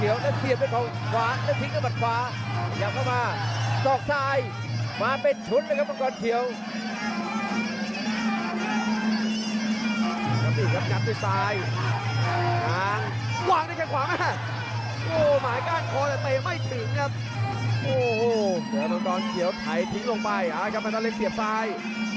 นี่ในค่ะขวางนะฮะโอ้วหมากากคอจะเตะไม่ถึงนะครับโอ้โหเดี๋ยวมันคอเขียวไทยทิ้งลงไปอะมันกอนเล็กเสียบซ้าย